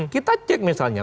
kita cek misalnya